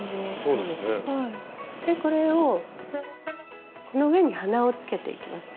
でこれをこの上に鼻をつけていきます。